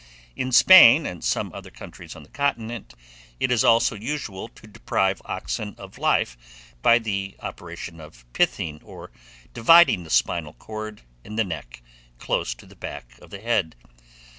In Spain, and some other countries on the continent, it is also usual to deprive oxen of life by the operation of pithing or dividing the spinal cord in the neck, close to the back part of the head.